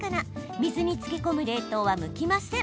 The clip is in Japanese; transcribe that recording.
水に漬け込む冷凍は向きません。